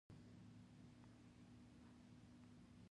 په پلورنځي کې باید د زړو محصولاتو مخنیوی وشي.